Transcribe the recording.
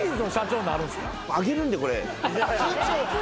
あげるんでこれ。